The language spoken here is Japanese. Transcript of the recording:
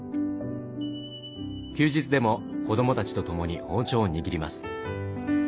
休日でも子どもたちと共に包丁を握ります。